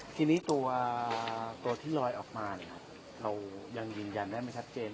ทีนี้ตัวที่ลอยออกมาเรายังยืนยันได้ไม่ชัดเจน